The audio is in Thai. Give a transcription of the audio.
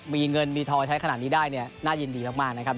มีเงินมีท้อใช้ขนาดนี้ได้น่าเย็นดีมากนะครับ